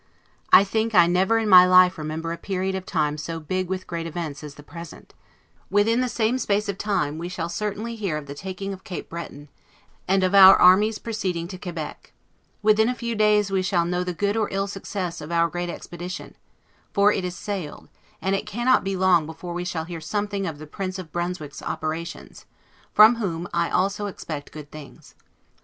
I think I never in my life remember a period of time so big with great events as the present: within two months the fate of the House of Austria will probably be decided: within the same space of time, we shall certainly hear of the taking of Cape Breton, and of our army's proceeding to Quebec within a few days we shall know the good or ill success of our great expedition; for it is sailed; and it cannot be long before we shall hear something of the Prince of Brunswick's operations, from whom I also expect good things.